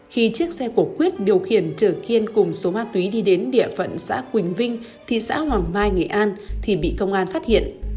khi chiếc xe của quyết điều khiển trở kiên cùng số ma túy đi đến địa phận xã quỳnh vinh thị xã hoàng mai nghệ an thì bị công an phát hiện